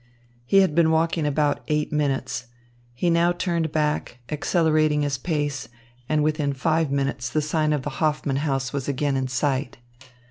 He had been walking about eight minutes. He now turned back, accelerating his pace, and within five minutes the sign of the Hoffman House was again in sight.